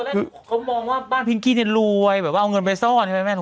เขามองว่าบ้านพิงกี้นี่รวยเอาเงินไปซ่อนใช่มั้ยแม่